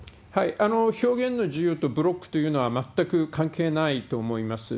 表現の自由というのと、ブロックというのは全く関係ないと思います。